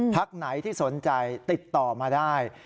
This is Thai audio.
พักไหนที่สนใจติดต่อมาได้